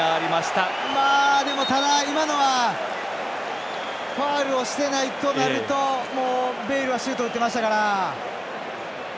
ただ、今のはファウルをしてないとなるともうベイルはシュート打ってましたから。